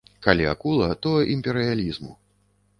Калі акула, то імперыялізму.